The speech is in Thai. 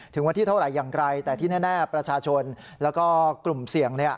ถึงวันที่เท่าไหร่อย่างไรแต่ที่แน่ประชาชนแล้วก็กลุ่มเสี่ยง